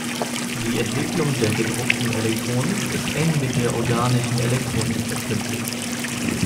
Die Entwicklung der gedruckten Elektronik ist eng mit der der Organischen Elektronik verknüpft.